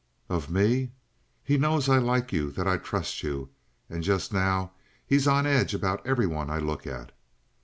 "Of me?" "He knows I like you, that I trust you; and just now he's on edge about everyone I look at."